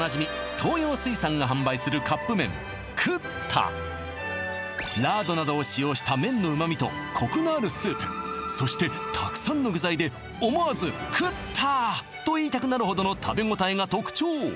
東洋水産が販売するカップ麺ＱＴＴＡラードなどを使用した麺の旨みとコクのあるスープそしてたくさんの具材で思わず食った！と言いたくなるほどの食べ応えが特徴